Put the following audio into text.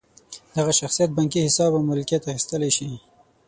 دغه شخصیت بانکي حساب او ملکیت اخیستلی شي.